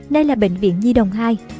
nay là bệnh viện di đồng hai